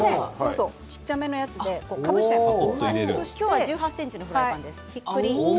小さめのやつでかぶせちゃいます。